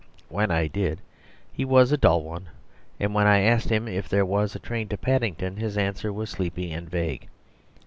When I did he was a dull one, and when I asked him if there was a train to Paddington his answer was sleepy and vague.